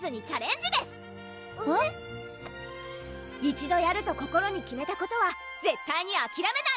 「一度やると心に決めたことはぜったいにあきらめない」